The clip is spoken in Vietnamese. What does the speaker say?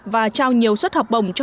và trao nhiều suất học bổng cho